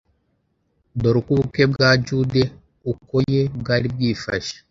Dore uko ubukwe bwa Jude ukoye bwari bwifashe